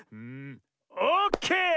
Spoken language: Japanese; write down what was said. オッケー！